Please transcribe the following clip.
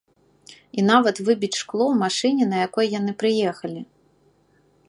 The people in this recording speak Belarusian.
І нават выбіць шкло ў машыне, на якой яны прыехалі.